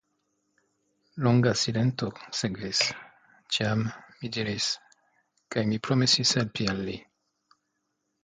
Longa silento sekvis, tiam mi diris:Kaj mi promesis helpi al li.